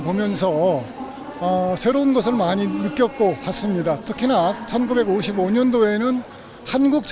jadi korea tidak bisa bergabung